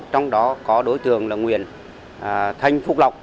trong đó có đối tượng là nguyễn thanh phúc lộc